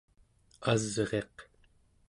asriq